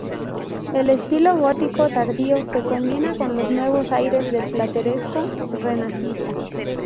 El estilo gótico tardío se combina con los nuevos aires del plateresco renacentista.